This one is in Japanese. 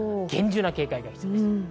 厳重な警戒が必要です。